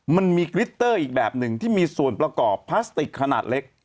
มันมีกริตเตอร์อีกแบบหนึ่งที่มีส่วนประกอบพลาสติกขนาดเล็ก